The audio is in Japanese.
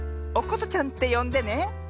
おことちゃんってよんでね。